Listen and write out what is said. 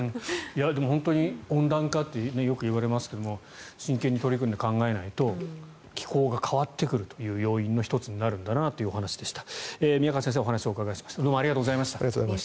でも本当に温暖化とよく言われますけども真剣に取り組んで考えないと気候が変わってくる要因の１つになるんだなということでした。